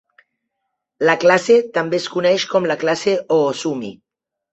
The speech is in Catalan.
La classe també es coneix com la classe "Oosumi".